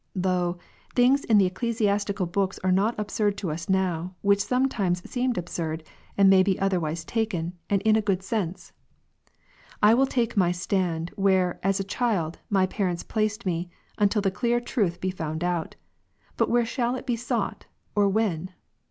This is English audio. Lo, things in the ecclesiastical books are not absurd to us now, which sometimes seemed absurd, and may be otherwise taken, and in a good sense. I will take my stand, where, as a child, my parents placed me, until the clear truth be found out. But where shall it be sought or when